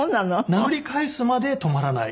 殴り返すまで止まらない。